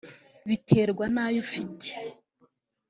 bitewe n’ayo afite